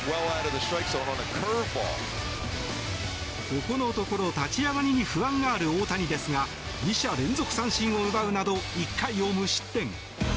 ここのところ立ち上がりに不安がある大谷ですが２者連続三振を奪うなど１回を無失点。